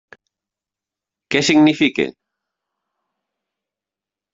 Què significa?